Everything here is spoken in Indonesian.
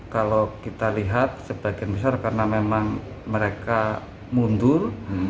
kalau kita lihat sebagian besar karena memang mereka mundur